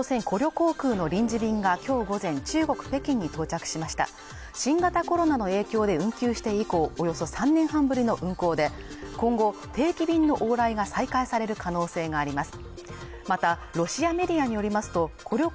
航空の臨時便がきょう午前中国・北京に到着しました新型コロナの影響で運休して以降およそ３年半ぶりの運航で今後、定期便の往来が再開される可能性があります